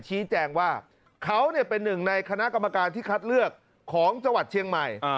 ชี้แจงว่าเขาเป็นหนึ่งในคณะกรรมการที่คัดเลือกของจังหวัดเชียงใหม่